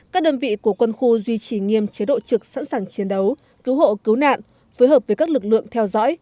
các đơn vị của quân khu duy trì nghiêm chế độ trực sẵn sàng chiến đấu cứu hộ cứu nạn phối hợp với các lực lượng theo dõi